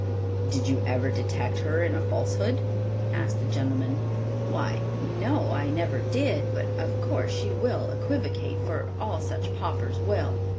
"Did you ever detect her in a falsehood?" asked the gentleman. "Why, no, I never did; but of course she will equivocate, for all such paupers will."